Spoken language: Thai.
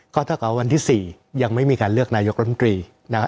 ก็เท่ากับวันที่๔ยังไม่มีการเลือกนายกรมตรีนะครับ